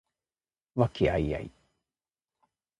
和気藹々